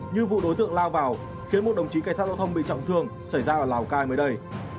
như vụ đối tượng lao vào khiến một đồng chí cảnh sát giao thông bị trọng thương xảy ra ở lào cai mới đây